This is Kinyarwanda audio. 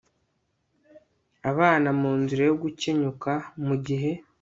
abana mu nzira yo gukenyuka mu gihe